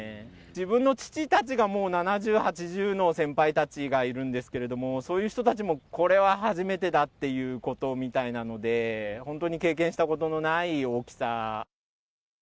自分の父たちが、もう７０、８０の先輩たちがいるんですけれども、そういう人たちも、これは初めてだっていうことみたいなので、本当に経験したことのない大きさ。